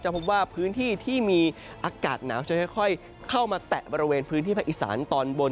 พบว่าพื้นที่ที่มีอากาศหนาวจะค่อยเข้ามาแตะบริเวณพื้นที่ภาคอีสานตอนบน